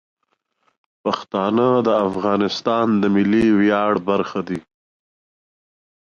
پښتانه د افغانستان د ملي ویاړ برخه دي.